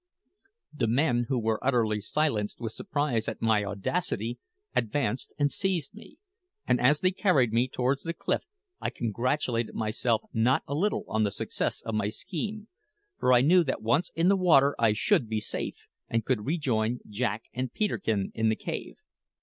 The men, who were utterly silenced with surprise at my audacity, advanced and seized me; and as they carried me towards the cliff, I congratulated myself not a little on the success of my scheme, for I knew that once in the water I should be safe, and could rejoin Jack and Peterkin in the cave.